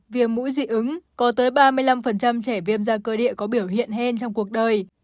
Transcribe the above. viêm mũi dị ứng có tới ba mươi năm trẻ viêm da cơ địa có biểu hiện hen trong cuộc đời